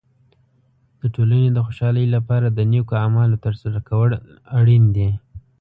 د ټولنې د خوشحالۍ لپاره د نیکو اعمالو تر سره کول اړین دي.